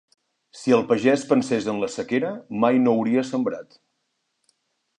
Si el pagès pensés en la sequera, mai no hauria sembrat.